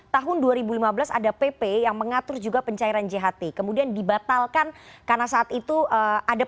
tahun dua ribu lima belas ada pp yang mengatur juga pencairan jht kemudian dibatalkan karena saat itu ada